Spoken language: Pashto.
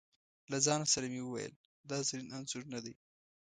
له ځانه سره مې وویل: دا زرین انځور نه دی.